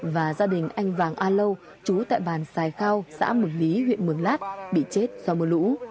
và gia đình anh vàng a lâu trú tại bàn sài khao xã mường lý huyện mường lát bị chết do mưa lũ